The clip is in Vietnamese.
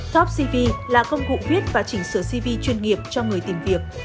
topcv là công cụ viết và chỉnh sửa cv chuyên nghiệp cho người tìm việc